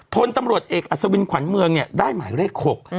พลตำรวจเอกอัศวินขวัญเมืองเนี่ยได้หมายเลข๖